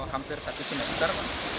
hampir satu semester